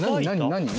何？